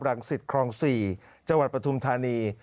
รังศิษย์ครองสี่จังหวัดประทุมธานี